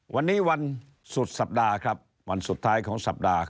วันนี้วันสุดสัปดาห์ครับวันสุดท้ายของสัปดาห์